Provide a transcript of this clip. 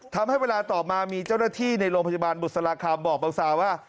ทำให้เวลาต่อมามีเจ้าหน้าที่ในโรงพยาบาลบุษราคาบอกบังซาว่า